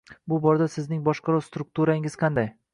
Bu borada sizning boshqaruv strukturangiz qanday?